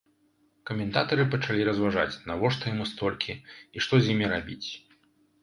Каментатары пачалі разважаць, навошта яму столькі і што з імі рабіць.